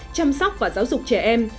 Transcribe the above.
chăm sóc và giáo dục trẻ em